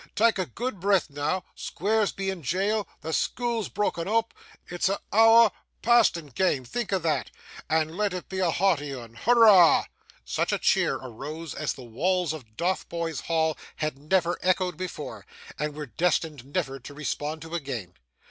Tak'a good breath noo Squeers be in jail the school's brokken oop it's a' ower past and gane think o' thot, and let it be a hearty 'un! Hurrah!' Such a cheer arose as the walls of Dotheboys Hall had never echoed before, and were destined never to respond to again.